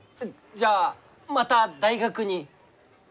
じゃあまた大学に？